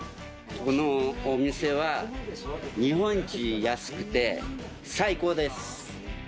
このお店は日本一安くて最高です！